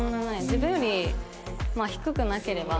自分より低くなければ。